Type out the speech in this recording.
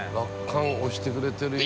落款押してくれてるよ。